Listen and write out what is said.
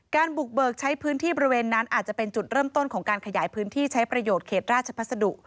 บุกเบิกใช้พื้นที่บริเวณนั้นอาจจะเป็นจุดเริ่มต้นของการขยายพื้นที่ใช้ประโยชน์เขตราชพัสดุ